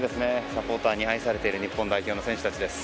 サポーターに愛されている日本代表の選手たちです。